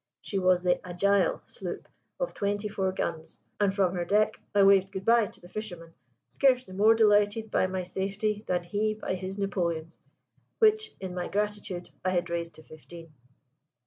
She was the Agile sloop of twenty four guns, and from her deck I waved good bye to the fisherman, scarcely more delighted by my safety than he by his napoleons, which in my gratitude I had raised to fifteen.